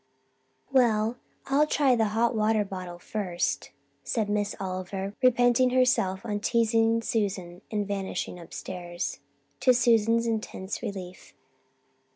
"Well, I'll try the hot water bottle first," said Miss Oliver, repenting herself on teasing Susan and vanishing upstairs, to Susan's intense relief.